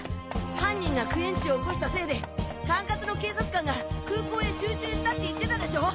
犯人がクエンチを起こしたせいで管轄の警察官が空港へ集中したって言ってたでしょ！